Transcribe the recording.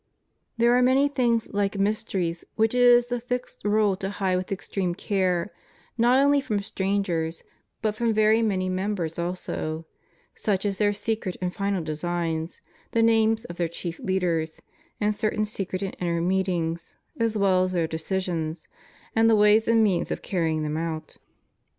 There are many things like mysteries which it is the fixed rule to hide with extreme care, not only from strangers, but from very many mem bers also; such as their secret and final designs, the names of the chief leaders, and certain secret and inner meetings, as well as their decisions, and the ways and means of carrying them out.